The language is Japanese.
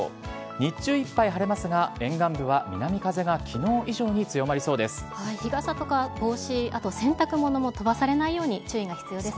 日中いっぱい晴れますが、沿岸部は南風がきのう以上に強まりそうです。